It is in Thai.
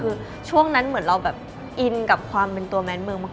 คือช่วงนั้นเหมือนเราแบบอินกับความเป็นตัวแม้นเมืองมาก